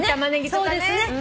そうですね。